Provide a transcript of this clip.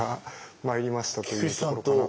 まいりましたというところかなと。